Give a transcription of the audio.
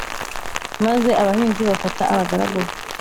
Maze abahinzi bafata abagaragu be